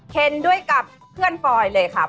เห็นด้วยกับเพื่อนปลอยเลยครับ